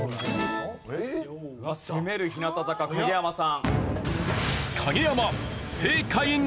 攻める日向坂影山さん。